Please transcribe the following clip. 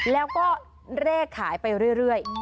แล้วก็เลขขายไปเรื่อย